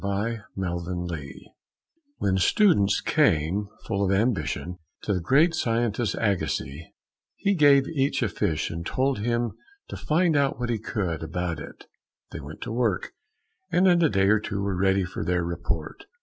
THE GRUMPY GUY When students came, full of ambition, to the great scientist Agassiz, he gave each a fish and told him to find out what he could about it. They went to work and in a day or two were ready for their report.